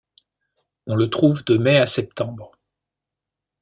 On le trouve de mai à septembre.